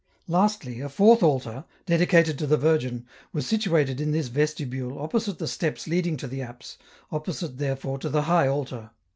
Lastly, a fourth altar, dedicated to the Virgin, was situated in this vestibule opposite the steps leading to the apse, opposite therefore to the high altar.